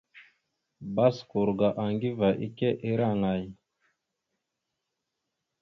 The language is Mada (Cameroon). Baskur ga Aŋgiva ike ira aŋay?